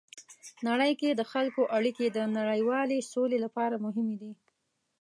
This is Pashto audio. نړۍ کې د خلکو اړیکې د نړیوالې سولې لپاره مهمې دي.